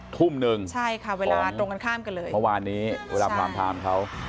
ตื่นมาดูจ้า